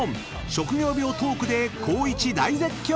［職業病トークで光一大絶叫！］